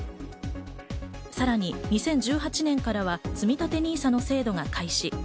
さらに２０１８年からはつみたてＮＩＳＡの制度が開始。